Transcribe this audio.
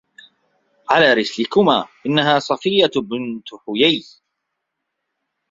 عَلَى رِسْلِكُمَا إنَّهَا صَفِيَّةُ بِنْتُ حُيَيٍّ